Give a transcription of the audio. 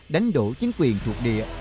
đánh đổ chính quyền thuộc địa